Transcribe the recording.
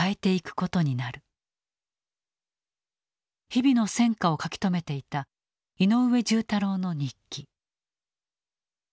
日々の戦果を書き留めていた井上重太郎の日記。